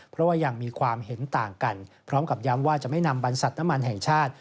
เพราะว่ายังมีความเห็นต่างกันพร้อมกับย้ำว่าจะไม่นำบรรษัทน้ำมันแห่งชาติ